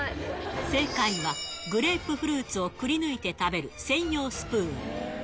正解は、グレープフルーツをくりぬいて食べる専用スプーン。